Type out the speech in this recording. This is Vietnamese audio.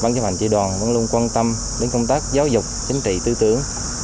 bản chấp hành tri đoàn vẫn luôn quan tâm đến công tác giáo dục chính trị tư tưởng